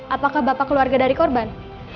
apakah bapak keluarga dari korban